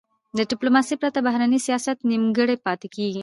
د ډیپلوماسی پرته، بهرنی سیاست نیمګړی پاته کېږي.